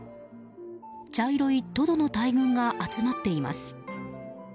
茶色いトドの大群が集まっています。